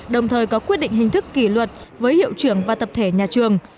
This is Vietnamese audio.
đồng thời có quyết định hình thức kỷ luật với hiệu trưởng và tập thể nhà trường